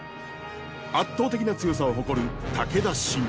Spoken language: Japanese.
圧倒的な強さを誇る武田信玄。